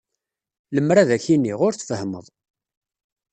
Lemmer ad ak-iniɣ, ur tfehhmeḍ.